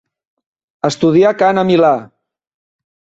Estudià cant a Milà.